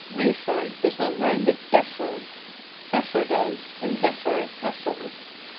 Reefer does not rime with "deafer," Feoffer does, and zephyr, heifer.